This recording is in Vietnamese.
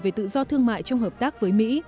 về tự do thương mại trong hợp tác với mỹ